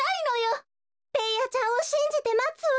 ベーヤちゃんをしんじてまつわ。